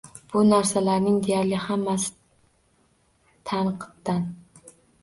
Bu narsalarning deyarli hammasi tanqiddan.